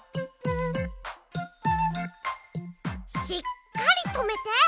しっかりとめて。